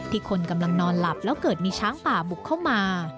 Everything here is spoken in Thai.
คนกำลังนอนหลับแล้วเกิดมีช้างป่าบุกเข้ามา